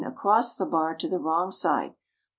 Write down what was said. across the bar to the wrong side, 1 sc.